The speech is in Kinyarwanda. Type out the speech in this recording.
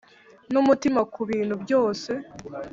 numutima kubintu byose;